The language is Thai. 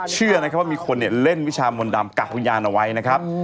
เชื่อนะครับว่ามีคนเล่นวิชามนต์ดำกักวิญญาณเอาไว้นะครับ